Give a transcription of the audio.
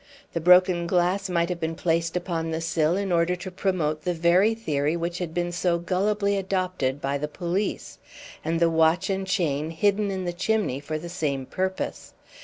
The broken glass might have been placed upon the sill in order to promote the very theory which had been so gullibly adopted by the police, and the watch and chain hidden in the chimney for the same purpose.